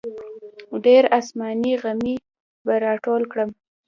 ډېر اسماني غمي به راټول کړم.